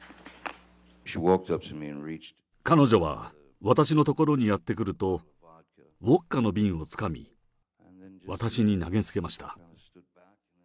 彼女は私のところにやって来ると、ウォッカの瓶をつかみ、私に投げつけました。